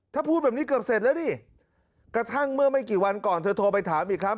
ถ้าพูดแบบนี้เกือบเสร็จแล้วนี่กระทั่งเมื่อไม่กี่วันก่อนเธอโทรไปถามอีกครั้ง